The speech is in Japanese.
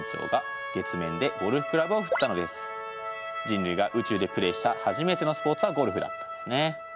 人類が宇宙でプレーした初めてのスポーツはゴルフだったんですね。